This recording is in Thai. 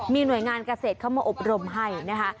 มีหน่วยงานเกษตรเข้ามาอบรมให้นะคะ